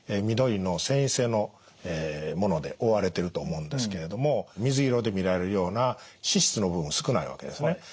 緑の線維性のもので覆われていると思うんですけれども水色で見られるような脂質の部分少ないわけですね。